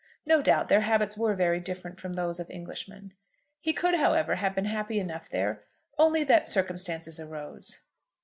No doubt their habits were very different from those of Englishmen. He could, however, have been happy enough there, only that circumstances arose.